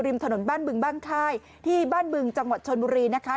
ถนนบ้านบึงบ้านค่ายที่บ้านบึงจังหวัดชนบุรีนะคะ